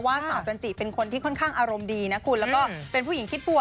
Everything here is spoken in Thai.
ว่าสาวจันจิเป็นคนที่ค่อนข้างอารมณ์ดีและเป็นผู้หญิงคิดปัว